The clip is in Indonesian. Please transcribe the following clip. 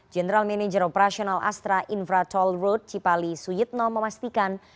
general manager operasional astra infratol road cipali suyitno memastikan